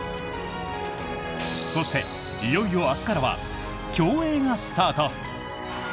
そして、いよいよ明日からは競泳がスタート！